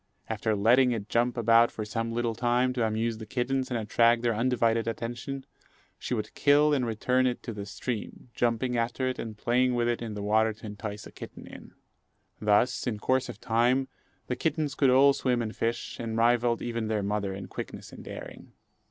After letting it jump about for some little time, to amuse the kittens and attract their undivided attention, she would kill and return it to the stream, jumping after it and playing with it in the water to entice a kitten in. Thus, in course of time, the kittens could all swim and fish, and rivalled even their mother in quickness and daring.